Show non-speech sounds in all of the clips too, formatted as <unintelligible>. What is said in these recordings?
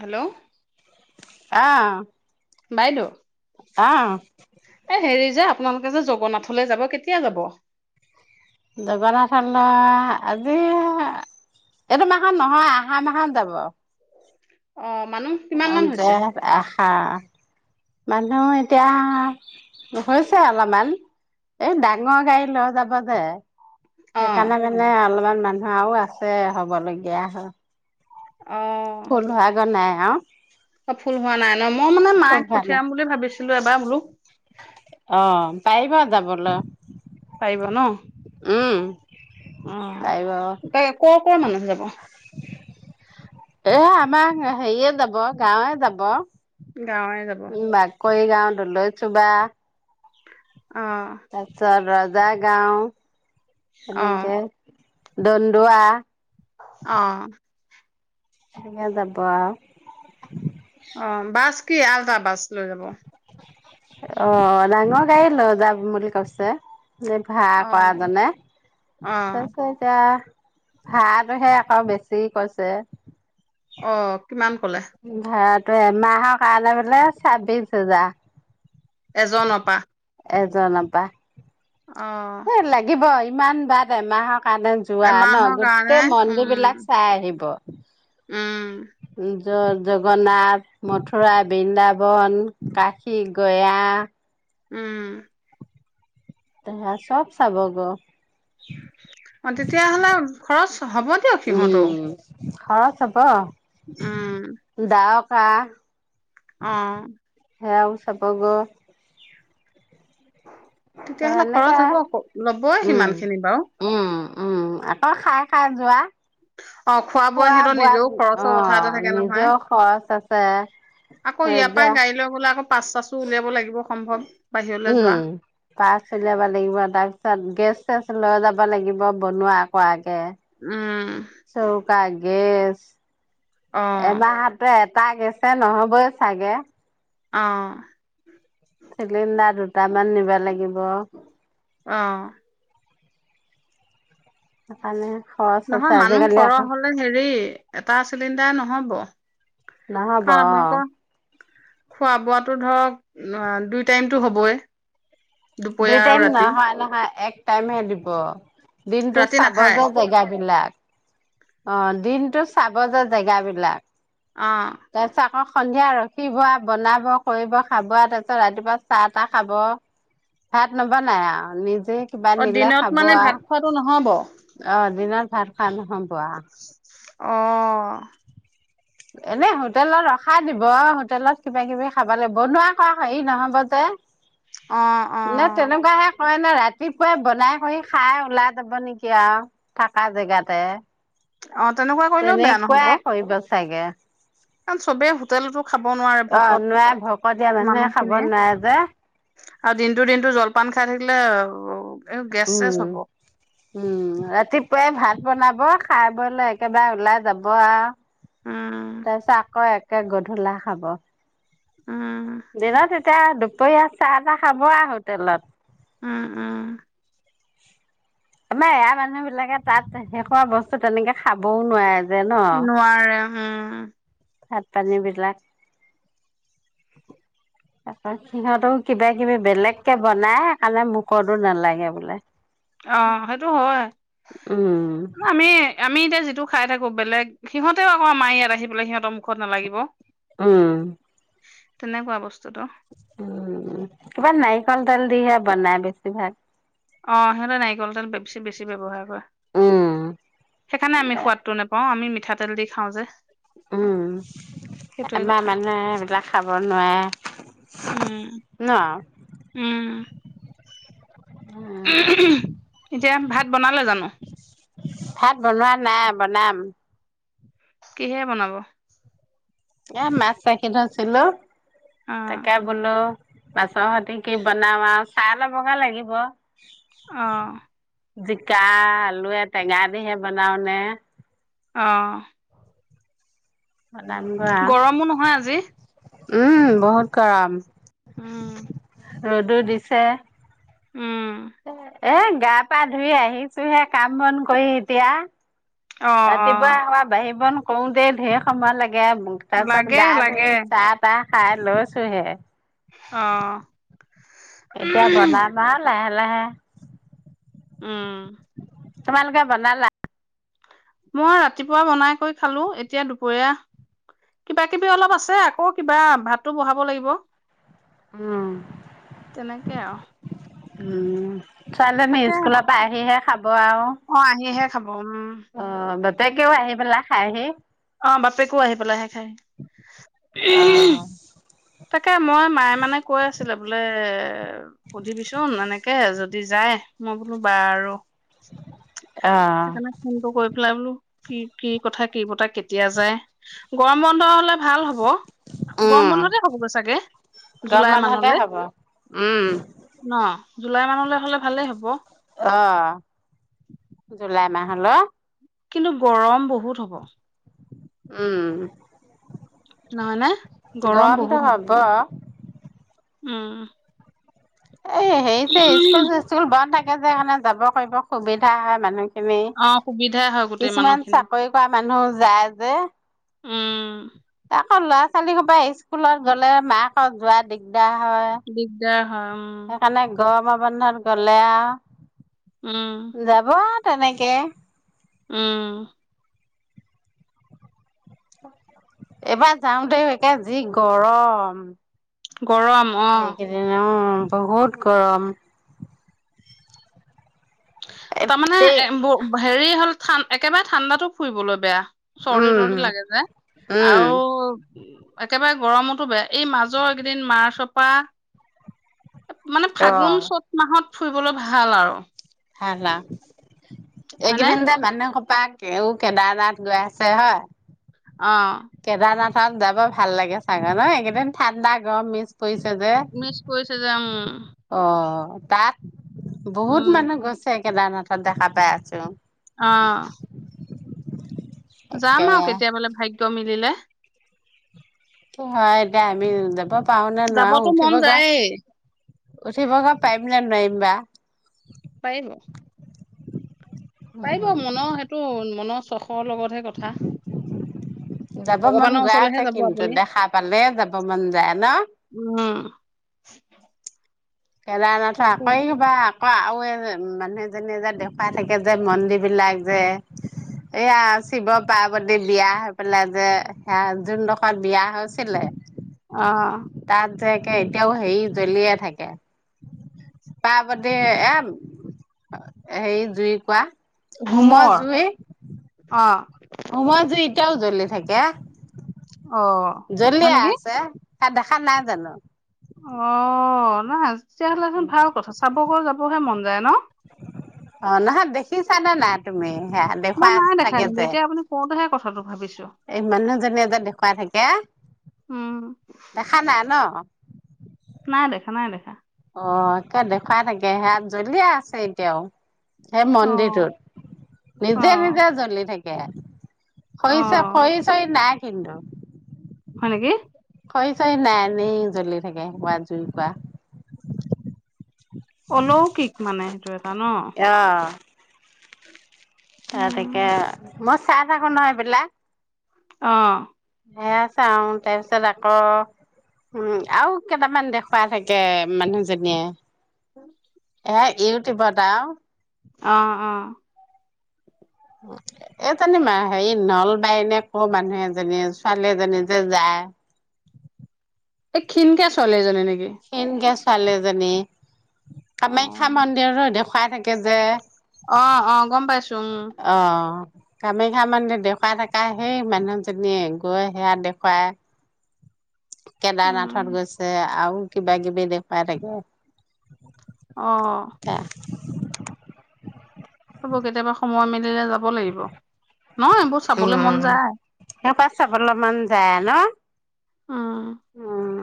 Hello অ' বাইদ, এ অ', হেৰি যে, আপোনালোকে যে জগন্নাথলৈ যাব কেতিয়া যাব? জগন্নাথলৈ আজি এইটো মাহত নহয় আহা মাহত যাব। অ মানুহ কিমান মান হৈছে <inaudible> মানুহ এতিয়া হৈছে অলপমান, এই ডাঙৰ গাড়ী লৈ যাব যে অ সেইকাৰণে মানে অলমান মানুহ আও আছে হ'বলগীয়া অ ফুল ধৰাগে নাই। হা, ক ফুল হোৱা নাই। মই মানে মায়ক নাই পঠিয়াম বুলি ভাবিছিলো এবাৰ বোলো। অ' পাৰিবা যাবলে। পাৰিবা ন, উম' তাইবা। কোৱা মানে যাব। এ আমাৰ হেৰিয়ে যাব গাঁৱে যাব। গাঁৱে যাব। কৰি গাওঁ দলদৈ চুবা, অ তাৰপিছত ওজা গাঁও, অ এনেকে দণ্ডোৱা, অ', সেনেকে যাব আৰু। অ' বাছ কি আল্ট্ৰা বাছ লৈ যাব। অ' ডাঙৰ গাড়ী লৈ যাম বুলি কৈছে। ভাৰা কৰা জনে অ তাৰপিছত এতিয়া ভাৰটোহে আকৌ বেছি কৈছে। অ' কিমান কলে ভাৰাট এ মাহ কাৰণে বোলে ছাব্বিশ হাজাৰ। এজনপা এজন পা। অ সেই লাগিবই। ইমান বাদ এমাহক কাৰণে যোৱা ন এমাহৰ কাৰণে গোটেই উম মন্দিৰ বিলাক চাই আহিব। উম উম', জগন্নাথ, মথুৰা, বৃন্দাবন, কাশী গয়া, উম', তে চব চাবগৈ। অ' তেতিয়াহ'লে খৰচ হ'ব দিয়ক সিহঁতও। উম খৰচ হব। উম, কাহ, অ', সেয়াও চাব গৈ। তেতিয়াহ'লে এনেকে খৰচ হ'ব আকৌ ল'বই উম সিমান খিনি বাৰু। উম উম, আকৌ খাই- খাই যোৱা অ ', খোৱা বোৱা সিহঁতৰ বোৱাত নিজেও অ খৰচৰ কথা এটা থাকে নহয়। নিজৰ খৰচ আছে আকৌ ইয়াৰ পৰাই এতিয়া গাড়ী লৈ গলে আকৌ পাচ- চাচো উলিয়াব লাগিব। সম্ভৱ। বাহিৰলৈ যোৱা উম ', পাচ উলিয়াব লাগিব তাৰপিছত গেছ, - চব লৈ যাব লাগিব বনোৱা কৰাকে। উম', অ <unintelligible> এমাহতে এট, তাৰ গেছে নহ'বই চাগে। অ, চিলিণ্ডাৰ, দুটামান নিব লাগিব। অ, সেইকাৰণে, খৰচ আছে নহয় মানুহ আজিকালি সৰহ আকৌ হলে হেৰি এটা চিলিণ্ডাৰ, দা নহ'ব। নহ'ব কাৰণ অ', আপোনালোকৰ খোৱা- বোৱোতো ধৰক, - অ', দুই টাইমটো হ'বই। দুপৰীয়া দুই- আৰু টাইম ৰাতি নহয়, নহয় এক টাইম হে দিব। দিনতটো ৰাতি চাব নাখায় যে জেগা বিলাক। অ ', দিনতটো চাব যে জেগাবিলাক। অ তাৰ পিছত আকৌ সন্ধি, এয়া ৰখিবা, বনাব- কৰিব খাবা আৰু তাৰপিছত ৰাতিপুৱা চাহ- তাহ খাব। ভাত নবনাই আৰু নিজ, সি নিজে কিবা অ নিলে দিনত খাব মানে আৰু ভাত খোৱাটো নহব। অ', দিনত ভাত খোৱা নহব? আৰু। <inaudible> <inaudible> এনে হোটেলত ৰখাই দিব হোটেলত কিবা- -কিবি খাব লাগিব বনোৱা কৰা হেৰি নহব যে, অ অ ন, তেনেকুৱাহে হয় এনে, ৰাতিপুৱাই বনাই কৰি খাই ওলাই যাব নেকি আৰু থাকা জেগাতে। অ', তেনেকুৱা কৰিলেও বেয়া নহব। সাকে কাৰ চবে হোটেল ৰ অ নোৱাৰে ভক দিয়া মানুহে খাব মানুহখিনিয়ে নোৱাৰে যে আৰু দিনটো দিনটো জলপান খাই থাকিলে অ উম উম ৰাতিপুৱাই ভাত বনাব খাই বলে একেবাৰে ওলাই যাব আৰু উম তাৰপিছত আক এক ত গধূলা খাব উম দেনা তেতিয়া দু পয়া চাহ খাব আৰু হোটেলত উম উম আমাৰ এয়া মানুহ বিলাকে তাত শেষোৱা বস্তু তেনেকে খাবও নোৱাৰে যে ন নোৱাৰে উম ভাত পানীবিলাক তাৰপ সিহঁতো কিবা কিবি বেলেগকে বনাই কাৰণে মুখতো নালাগে বোলে অ সেইটো হয় উম, আমি আমি এতিয়া যিটো খাই থাকো বেলেগ সিহতেও আকৌ আমাৰ ইয়াত আহি পেলাই সিহঁতৰ মুখত নালাগিব অ তেনেকুৱা বস্তুটো উ কিবা নাৰিকল তেল দিহে বনাই বেছি ভাগ অ সিহঁতে নাৰিকল তেল বেছি বেছি ব্যৱহাৰ কৰে উম, সেইকাৰণে আমি সোৱাদটো নোপাও আমি পিঠাতেল দি খাওঁ যে উম সেইটোৱে এবাৰ কথা মানে এইবিলাক খাব নোৱাৰে উম ন উম উম, এতিয়া ভাত বনালে জানো ভাত বনোৱা নাই বনাম কিহে বনাব এ মাছ চাকাছিলো অ তাকে বোলো পাছৰ সতি কি বনাও আৰু চাইলবগে লাগিব আহ জিকা আলু টেঙা দিহে বনাও নে অ বনামগৈ আৰু গৰমো নহয় আজি উম বহুত গৰম উম অ দু দিছ <unintelligible> ছে উম এ গা পা ধুই আহিছোহে কাম বন কৰি এতিয়া অ অ <unintelligible> কৰোঁতে দেৰ সময় লাগে তাৰ পিছত লাগে গা ধুই লাগে চাহ তাহ খাই লৈছো হে অ এতিয়া বনাই না লাহে লাহে লাহে উম তোমালোকে বনালা মই ৰাতিপুৱা বনাই কৈ খালো এতিয়া দুপৰীয়া কিবা কিবি অলপ আছে আকৌ কিবা ভাতো বহাব লাগিব উম তেনেকে আৰু উম ছোৱালীজনী তাকে স্কুলৰ পৰাাই আহিহে খাব আৰু অ আহিহে খাব উম তাকেও আহি পেলাই খাইহি অ বাপেকো আহি পেলাই অ তাকে মই মায়ে মানে কৈ আছিলে বোলে সুধিবিচোন এনেকে যদি <unintelligible> অ সেইকাৰণে ফোনটো কৰি পেলাই বোলো কি কি কথা কি বতা কেতিয়া যায় গৰম বন্ধ হলে ভাল হব গৰম উম বন্ধতে হ'বগৈ চাগে গৰম জুলাই বন্ধতে মানলৈ হ'ব উম ন জুলাই মানলৈ হ'লে ভালেই হ'ব অ জুলাই মাহল কিন্তু গৰম বহুত হব উম নহয় নে গৰম বহুত হ'ব কিন্তু অ এ হেৰিছে স্কুল চিস্কুল বন্ধ থাকে কাৰণে যাব কৰিব সুবিধা হয় মানুহ অ সুবিধাই হয় গোটেই মানুহখিনি চাকৰি কৰা মানুহ যায় যে আহ আকৌ ল'ৰা ছোৱালী সোবাই স্কুলত গ'লে মাকত যোৱা দিগদাৰ হয় দিগদাৰ হয় উম সেইকাৰণে গৰমত বাৰ গলে উম যাব তেনেকৈ আঁহ এইবাৰ যাওঁ দে একে যি গৰম গৰম অঁ সেইকেইদিন অ বহুত গৰম তাৰমানে এতে হেৰি হ'ল ঠ একেবাৰে ঠাণ্ডাতো ফুৰিবলৈ বেয়া চৰ্দি উম তৰ্দি লাগে যে উম আৰু উ একেবাৰে গৰমতো বেয়া এই মাজৰ এইকেইদিন মাৰ্চৰ পৰা মানে অ ফাগুন চ'ত মাহত ফুৰিবলৈ ভাল আৰু ভাল আৰু হয়নে এইদিনকেইট যে মানে তাকেই কেদাৰনাথ গৈ আছে হয় অঁ তাত যাব ভাল লাগে ছাগে ন এইেইদিন ঠাণ্ডা গৰম মি পৰিছে যে মিচ কৰিছে যে উম অঁ তাত বহুত উম মানে গছে কেদাৰনাথত হাতত দেখা পাই আছো অঁ <unintelligible> যাম আৰু একেবাৰে কেতিয়াবা ভাগ্য মিলিলে হা এতিয়া আমি যাব পাৰো নে যাবতো মন যায় উঠিব পাৰিম নে নোৱাৰিম বা পাৰিবা পাৰিব উম মনৰ সেইটো মনত চশৰ লগতহে কথা যাব মন ভগৱানৰ যোৱা ওচৰলেহে আছে যাব কিন্তু আপুনি দেখা পালে যাব মন যায় ন উম কেদাৰনাথ ক তাকে আকৌ কিবা আক আৰু মানুহ এজনীয়ে যে দেখুৱাই থাকে যে মন্দিৰ বিলাক যে এইয়া শিৱ পাৰ্বতী বিয়া হৈ পেলাই যে সেয়া যোনডোখৰত বিয়া হৈছিলে অ তাত যেকে এতিয়াও হেৰি জ্বলিয়ে থাকে পাৰ্বতি এ হে জুই কুৰা ভোমৰ অ সুমত যে এতিয়াও জ্বলি থাকে অ হয় জলিয়ে নেকি আছে তাত দেখা নাই জানো অ নহজ তেতিয়াহলেচোন ভাল কথা চাবগৈ যাবহে মন যায় ন অ নহয় দেখিছানে নাই তুমি সেয়া মই দেখুৱাই নাই দেখা থাকে কিন্তু যে এতিয়া আপুনি কওঁতহে কথাটো ভাবিছো এই মানুহজনীয়ে যে দেখুৱাই থাকে উম দেখা নাই ন নাই দেখা নাই দেখা অ একে দেখুৱাই থাকে সে জ্বলিয়াই আছে এতিয়াও সেই অ মন্দিৰটোত অ নিজে নিজে জ্বলি থাকি এক অ হৈছে শৰীৰ চৰীৰ নাই খেে <inaudible> লদ হয়নেকি খৰি চৰি নাই এনেই জ্বলি থাকে কোৱা জুই কোৱা অলৌকিক মানে সেইটো এটা ন ত উম তাকে ম চাহ চাক নহয় পা অ সেয়া চাও তাৰপিছত আকৌ উম আৰু কেইটামান দেখুৱাই থাকে মানুহজনীয়ে এ ইউটিউবত আৰু আহ আহ এই জানি ম হেৰি নলবাই এনে কো মানুহ এজনী ছোৱালী এজনী যে যায় এই ক্ষিনকে চলে জনে নেকি ক্ষিনকে ছোৱালী জনি অ কামাখ্যা মন্দিৰৰো দেখুৱাই থাকে কে যে অ অ গম পাইছো উম অ কামাখ্যা মন্দিৰ দেখুৱাই থাকা সেই মানুহজনীয়ে, গৈ সেয়া দেখুৱাই উম কেদাৰনাথত গৈছে, আও কিবা কিবি দেখুৱাই থাকে। অ'। কেতিয়াবা সময় মিলে য মন উম, যায় সা পা চাবলে মন যায় ন'। উম উম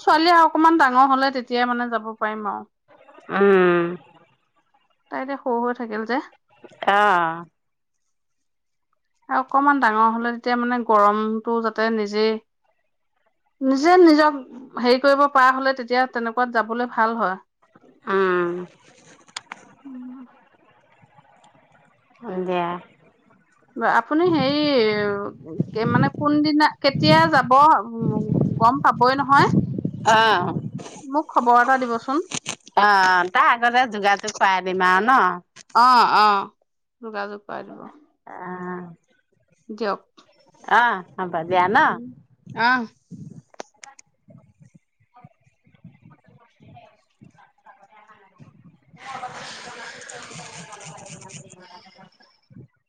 ছোৱালী আৰু অকমান ডাঙৰ হ'লে তেতিয়াই মানে যাব পাৰিম আৰু। উম। তাই এতিয়া সৰু হৈ থাকিল যে। অহ। আৰু অকমান ডাঙৰ হ'লে তেতিয়া মানে গৰমটো যাতে নিজেই, নিজে নিজক হেৰি কৰিব পৰা হ'লে তেতিয়া তেনেকুৱাত যাবলৈ ভাল হয়। উম। হয় দিয়ে। আপুনি হেৰি মানে কোনদিনা কেতিয়া যাব গম পাবই নহয় অহ মোক খবৰ এটা দিবচোন অহ তাৰ আগতে যোগাযোগ কৰাই দিম আৰু ন? অহ, অহ। যোগাযোগ কৰিব। আহ দিয়ক। অ'। হ'ব দিয়া ন'। আহ <inaudible> <inaudible>